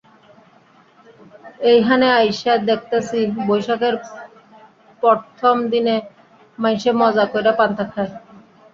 এইহানে আইসা দ্যাখতাছি বৈশাখের পরথম দিনে মাইনসে মজা কইরা পান্তা খায়।